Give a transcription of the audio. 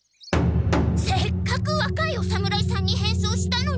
せっかく若いお侍さんに変装したのに！